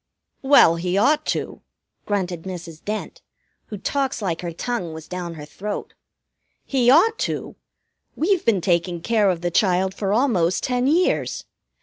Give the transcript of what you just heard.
"Well, he ought to," grunted Mrs. Dent, who talks like her tongue was down her throat. "He ought to! We've been taking care of the child for almost ten years.